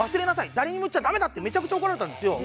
「誰にも言っちゃダメだ！」ってめちゃくちゃ怒られたんですよ。